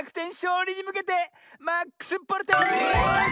うりにむけてマックスボルテージ！